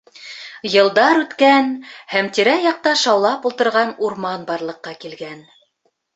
Йылдар үткән һәм тирә-яҡта шаулап ултырған урман барлыҡҡа килгән.